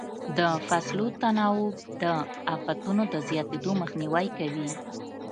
د فصلو تناوب د افتونو د زیاتېدو مخنیوی کوي.